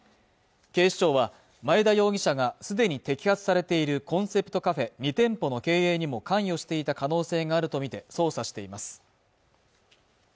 警視庁は前田容疑者が既に摘発されているコンセプトカフェ２店舗の経営にも関与していた可能性があるとみて捜査しています